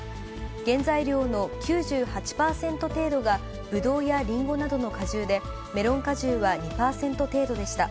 原材料の９８％程度が、ぶどうやリンゴなどの果汁で、メロン果汁は２％程度でした。